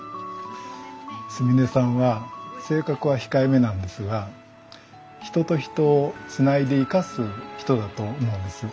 純音さんは性格は控えめなんですが人と人をつないで生かす人だと思うんです。